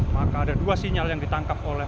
maka ada dua sinyal yang ditangkap oleh